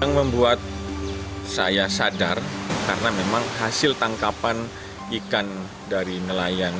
yang membuat saya sadar karena memang hasil tangkapan ikan dari nelayan